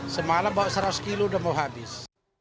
semalam bawa seratus kilo udah mau habis